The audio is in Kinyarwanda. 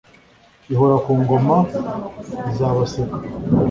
ihora ku ngoma izabaseka